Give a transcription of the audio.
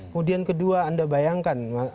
kemudian kedua anda bayangkan